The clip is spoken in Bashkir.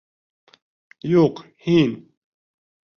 Юҡ, һин!